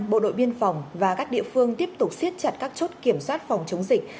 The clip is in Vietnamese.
bộ đội biên phòng và các địa phương tiếp tục siết chặt các chốt kiểm soát phòng chống dịch